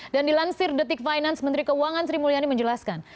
dan dilansir detik finance menteri keuangan sri mulyani menjelaskan